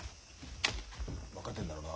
分かってんだろうな？